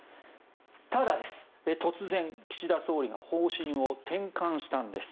ただ、突然、岸田総理が方針を転換したんです。